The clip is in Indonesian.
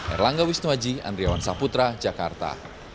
erlangga wisnuaji andriawan saputra jakarta